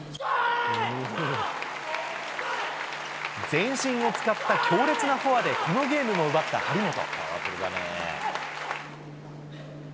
全身を使った強烈なフォアで、このゲームも奪った張本。